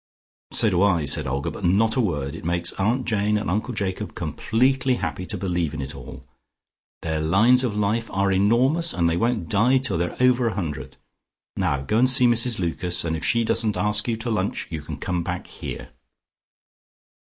"So do I," said Olga. "But not a word. It makes Aunt Jane and Uncle Jacob completely happy to believe in it all. Their lines of life are enormous, and they won't die till they're over a hundred. Now go and see Mrs Lucas, and if she doesn't ask you to lunch you can come back here."